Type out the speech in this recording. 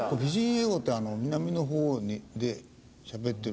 英語って南の方でしゃべってる。